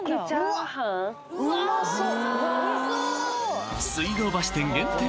・うまそう！